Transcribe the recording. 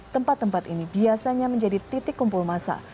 tempat tempat ini biasanya menjadi titik kumpul masa